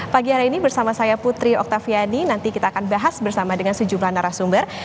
pagi hari ini bersama saya putri oktaviani nanti kita akan bahas bersama dengan sejumlah narasumber